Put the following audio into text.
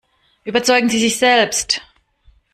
Überzeugen Sie sich selbst!